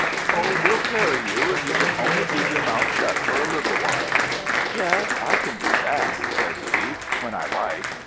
"Oh, we'll carry you, if you can only keep your mouth shut for a little while." "Yes, I can do that," says he, "when I like.